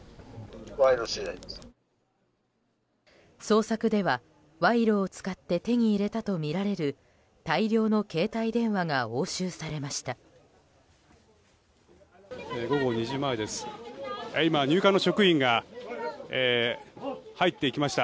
捜索では、賄賂を使って手に入れたとみられる大量の携帯電話が押収されました。